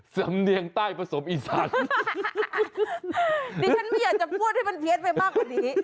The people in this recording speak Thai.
สำเนียงใต้ผสมอีสานดิฉันไม่อยากจะพูดให้มันเพี้ยนไปมากกว่านี้